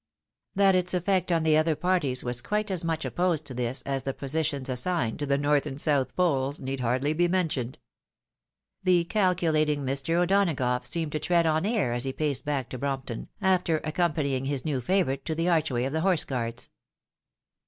That its effect on the other parties was quite as much opposed to this, as the positions assigned to the North and South Poles, need hardly be mentioned. • The calculating Mr. O'Donagough seemed to tread on air as he paced back to Brompton, after accompanying his new favourite to the arch way of the Horse guards.